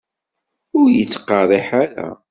Ur yettqerriḥ ara.